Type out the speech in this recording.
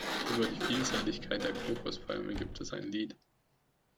Über die Vielseitigkeit der Kokospalme gibt es ein Lied.